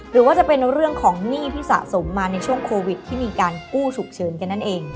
หรือว่าจะเป็นเรื่องของหนี้ที่สะสมมาในช่วงโควิดที่มีการกู้ฉุกเฉินกันนั่นเอง